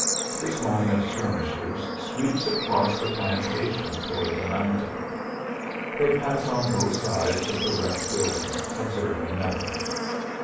This line of skirmishers sweeps across the plantation toward the mountain. They pass on both sides of the wrecked building, observing nothing.